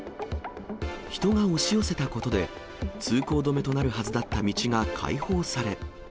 人が押し寄せたことで、通行止めとなるはずだった道が開放され。